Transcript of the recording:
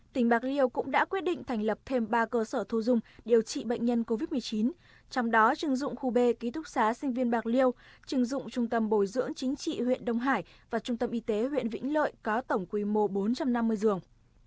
tỉnh bạc liêu cũng đã quyết định thành lập thêm ba cơ sở thu dung điều trị bệnh nhân covid một mươi chín trong đó chưng dụng khu b ký thúc xá sinh viên bạc liêu trừng dụng trung tâm bồi dưỡng chính trị huyện đông hải và trung tâm y tế huyện vĩnh lợi có tổng quy mô bốn trăm năm mươi giường